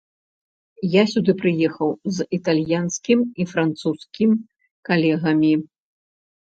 Я сюды прыехаў з італьянскім і французскім калегамі.